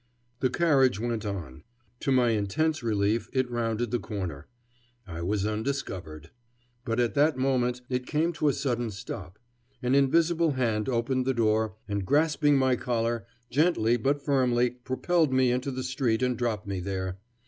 The carriage went on. To my intense relief, it rounded the corner. I was undiscovered! But at that moment it came to a sudden stop. An invisible hand opened the door, and, grasping my collar, gently but firmly propelled me into the street and dropped me there.